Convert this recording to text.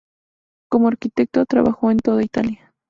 Como arquitecto, trabajó en toda italia.